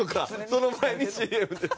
その前にＣＭです。